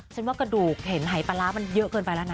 ว่ากระดูกเห็นหายปลาร้ามันเยอะเกินไปแล้วนะ